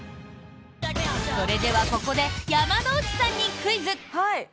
それでは、ここで山之内さんにクイズ！